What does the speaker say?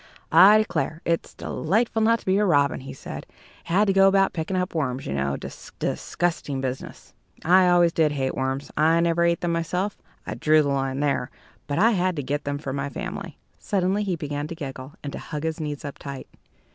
"I declare, it's delightful not to be a robin," he said. "Had to go about picking up worms, you know. Disgusting business. I always did hate worms. I never ate them myself I drew the line there; but I had to get them for my family." Suddenly he began to giggle, and to hug his knees up tight.